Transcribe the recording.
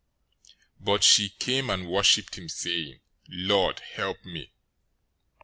015:025 But she came and worshiped him, saying, "Lord, help me."